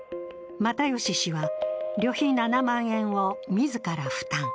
又吉氏は旅費７万円を自ら負担。